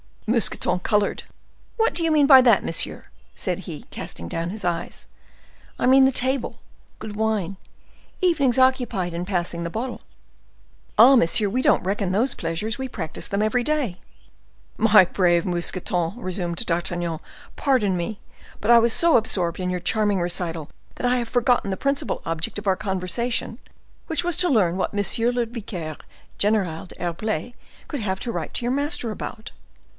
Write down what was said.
Mousqueton colored. "What do you mean by that, monsieur?" said he, casting down his eyes. "I mean the table—good wine—evenings occupied in passing the bottle." "Ah, monsieur, we don't reckon those pleasures,—we practice them every day." "My brave Mousqueton," resumed D'Artagnan, "pardon me, but I was so absorbed in your charming recital that I have forgotten the principal object of our conversation, which was to learn what M. le Vicaire General d'Herblay could have to write to your master about."